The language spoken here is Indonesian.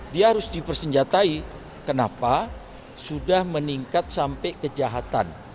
dia harus dipersenjatai kenapa sudah meningkat sampai kejahatan